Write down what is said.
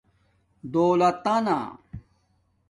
دݸلتناہ